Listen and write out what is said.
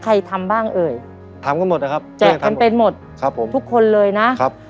ใครทำบ้างเอ๋ยทำก็หมดนะครับทุกคนเลยนะครับ